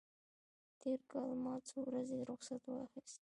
تېر کال ما څو ورځې رخصت واخیست.